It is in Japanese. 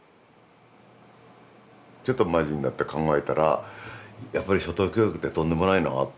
ちょっとマジになって考えたらやっぱり初等教育ってとんでもないなって。